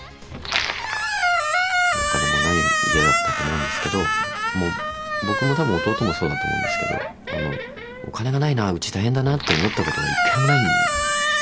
お金もない家だったと思うんですけどもう僕も多分弟もそうだと思うんですけどお金がないなぁうち大変だなぁって思ったことが１回もないんですよ。